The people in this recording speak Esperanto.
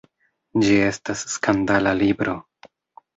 Ĝi estas skandala libro.